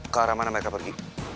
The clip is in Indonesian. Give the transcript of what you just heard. ke arah mana mereka pergi